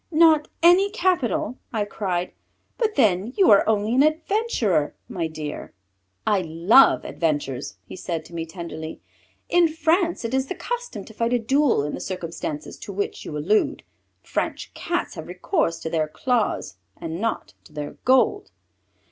"Not any capital," I cried, "but then you are only an adventurer, my dear!" "I love adventures," he said to me tenderly. "In France it is the custom to fight a duel in the circumstances to which you allude. French Cats have recourse to their claws and not to their gold."